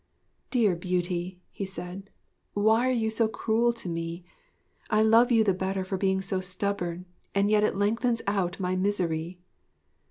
'Dear Beauty,' he said, 'why are you so cruel to me? I love you the better for being so stubborn, and yet it lengthens out my misery.'